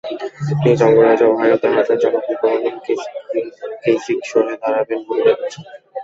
নিজ অঙ্গরাজ্য ওহাইওতে হারলে জনপ্রিয় গভর্নর কেইসিক সরে দাঁড়াবেন বলে জানিয়েছেন।